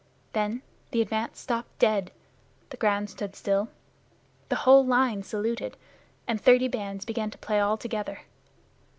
Then the advance stopped dead, the ground stood still, the whole line saluted, and thirty bands began to play all together.